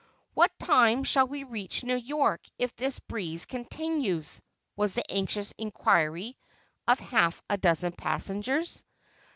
"What time shall we reach New York if this breeze continues?" was the anxious inquiry of half a dozen passengers.